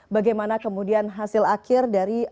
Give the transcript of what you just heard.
bagaimana kemudian hasil akhir dari